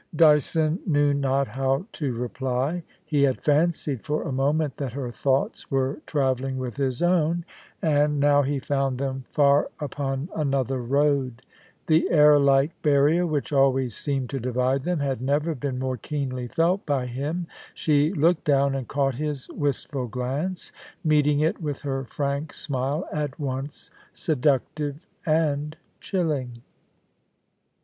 Dyson knew not how to reply. He had fancied for a moment that her thoughts were travelling with his own ; and 6 82 POLICY AND PASSION, now he found them far upon another road The au like barrier which always seemed to divide them had never been more keenly felt by him. She looked down and caught his wistful glance, meeting it with her frank smile, at once seductive and chilling.